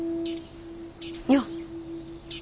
よっ。